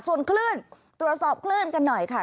ส่วนคลื่นตรวจสอบคลื่นกันหน่อยค่ะ